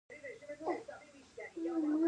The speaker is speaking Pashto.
ایا زه باید د غاښونو تار وکاروم؟